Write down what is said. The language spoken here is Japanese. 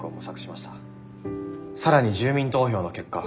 更に住民投票の結果